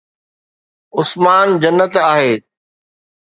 عثمان جنت آهي